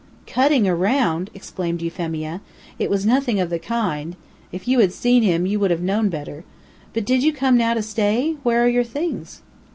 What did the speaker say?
"Cutting around!" exclaimed Euphemia. "It was nothing of the kind. If you had seen him you would have known better. But did you come now to stay? Where are your things?"